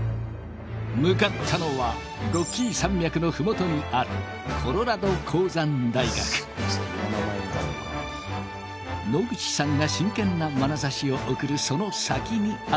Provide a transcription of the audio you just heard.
向かったのはロッキー山脈のふもとにある野口さんが真剣なまなざしを送るその先にあったのは。